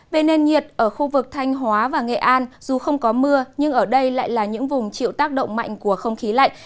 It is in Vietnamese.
về nền nhiệt ở khu vực thanh hóa và nghệ an dù không có mưa nhưng ở đây lại là những vùng chịu tác động mạnh của không khí lạnh